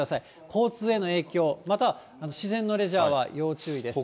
交通への影響、または自然のレジャーは要注意です。